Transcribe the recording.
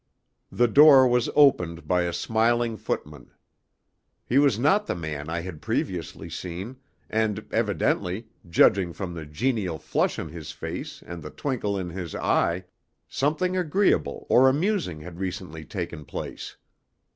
The door was opened by a smiling footman. He was not the man I had previously seen, and evidently, judging from the genial flush on his face and the twinkle in his eye, something agreeable or amusing had recently taken place.